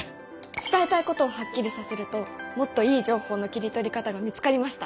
伝えたいことをはっきりさせるともっといい情報の切り取り方が見つかりました！